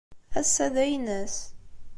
Ass-a d aynas.